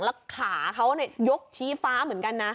แล้วขานี่ยกชีฟ้าเหมือนกันเนี่ย